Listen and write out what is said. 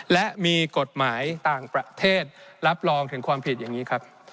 และมีกฎหมายต่างประเทศรับรองถึงความผิดอย่างนี้ครับ